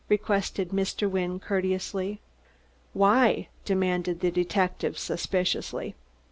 requested Mr. Wynne courteously. "Why?" demanded the detective suspiciously.